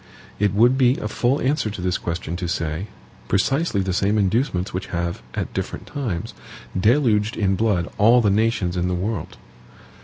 It would be a full answer to this question to say precisely the same inducements which have, at different times, deluged in blood all the nations in the world.